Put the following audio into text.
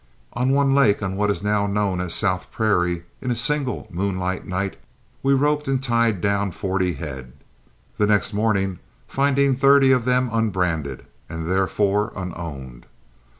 At one lake on what is now known as South Prairie, in a single moonlight night, we roped and tied down forty head, the next morning finding thirty of them unbranded and therefore unowned.